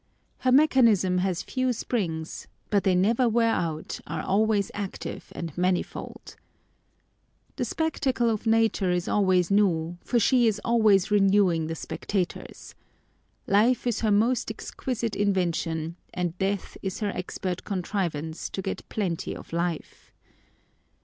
Her mechanism has few springs—but they never wear out, are always active and mamifold. The spectacle of Nature is always new, for she is always renewing the spectators. Life is her most exquisite invention; and death is her expert con | trivance to get plenty of life.